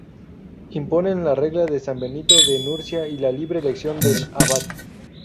Imponen la Regla de san Benito de Nursia y la libre elección del abad.